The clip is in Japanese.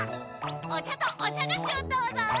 お茶とお茶がしをどうぞ。